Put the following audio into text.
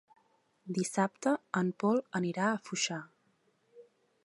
Dissabte en Pol anirà a Foixà.